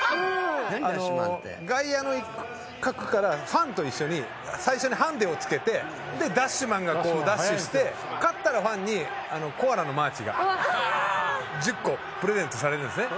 外野の一角からファンと一緒に最初にハンデをつけてＤＡＳＨＭＡＮがダッシュして勝ったらファンにコアラのマーチが１０個プレゼントされるんですね。